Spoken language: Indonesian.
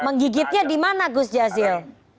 menggigitnya di mana gus jazil